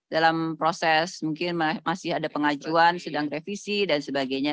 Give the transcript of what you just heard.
dalam proses mungkin masih ada pengajuan sedang revisi dan sebagainya